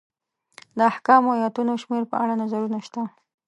د احکامو ایتونو شمېر په اړه نظرونه شته.